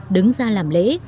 đứng ra làm lễ